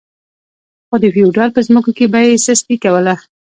خو د فیوډال په ځمکو کې به یې سستي کوله.